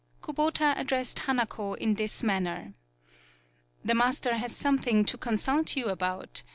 Kubota addressed Hanako in this manner. "The master has something to con sult you about.